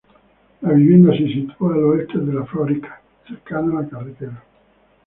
La vivienda se sitúa al oeste de la fábrica, cercana a la carretera.